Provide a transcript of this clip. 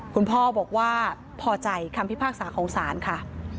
คุณพ่อบอกว่าพอใจคำพิพากษาของศาลค่ะ